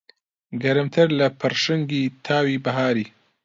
گەرمتر لە پڕشنگی تاوی بەهاری